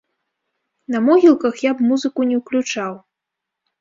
На могілках я б музыку не ўключаў.